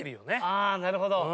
ああなるほど。